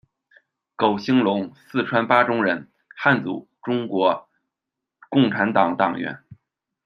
苟兴龙，四川巴中人，汉族，中国共产党党员。